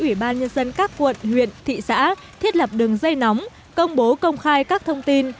ủy ban nhân dân các quận huyện thị xã thiết lập đường dây nóng công bố công khai các thông tin